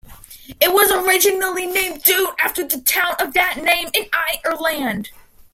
It was originally named Doon after the town of that name in Ireland.